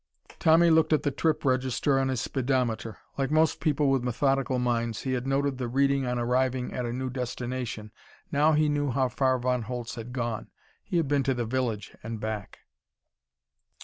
Tommy looked at the trip register on his speedometer. Like most people with methodical minds, he had noted the reading on arriving at a new destination. Now he knew how far Von Holtz had gone. He had been to the village and back.